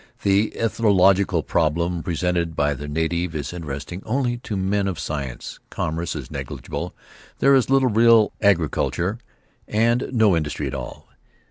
The ethnological problem presented by the native is interesting only to men of science, commerce is negligible, there is little real agriculture, and no industry at all.